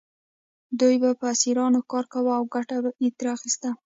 دوی به په اسیرانو کار کاوه او ګټه یې ترې اخیسته.